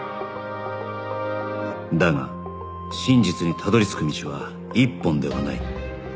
だが真実にたどり着く道は一本ではない